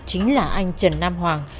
chính là anh trần nam hoàng